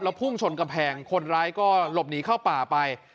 พุ่งชนกำแพงคนร้ายก็หลบหนีเข้าป่าไป